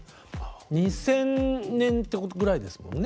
２０００年ぐらいですもんね？